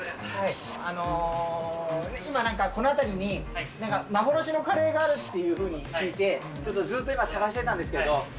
あのー、今、なんかこの辺りに幻のカレーがあるっていうふうに聞いて、ちょっとずっと今、探してたんですけれども。